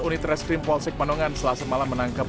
unit reskrim polsek panongan selasa malam menangkap